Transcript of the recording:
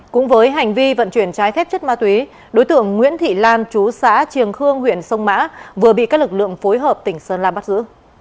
cũng với hành vi vận chuyển trái phép chất ma túy đối tượng nguyễn thị lan chú xã triềng khương huyện sông mã vừa bị các lực lượng phối hợp tỉnh sơn la bắt giữ